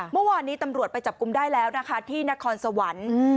เมื่อวานนี้ตำรวจไปจับกลุ่มได้แล้วนะคะที่นครสวรรค์